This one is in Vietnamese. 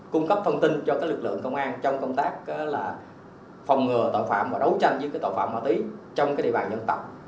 cung cấp thông tin cho lực lượng công an trong công tác phòng ngừa tội phạm